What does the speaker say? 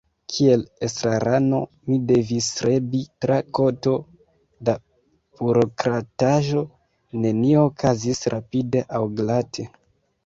Kiel estrarano mi devis strebi tra koto da burokrataĵo, nenio okazis rapide aŭ glate.